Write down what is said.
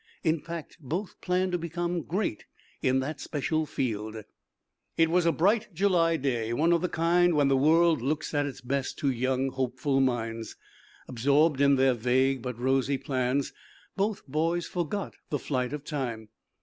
In fact, both planned to become great in that special field. It was a bright July day, one of the kind when the world looks at its best to young, hopeful minds. Absorbed in their vague but rosy plans, both boys forgot the flight of time.